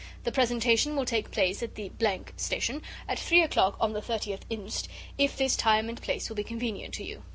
The presentation will take place at the Station at three o'clock on the 30th inst., if this time and place will be convenient to you.